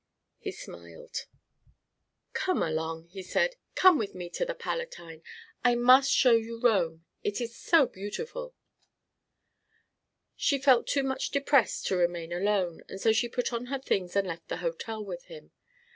He smiled: "Come along," he said. "Come with me to the Palatine. I must show you Rome. It is so beautiful." She felt too much depressed to remain alone; and so she put on her things and left the hotel with him.